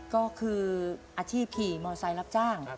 ก็คืออาชีพขี่มอเซล์รับจ้าง